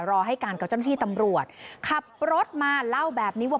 รอให้การกับเจ้าหน้าที่ตำรวจขับรถมาเล่าแบบนี้ว่า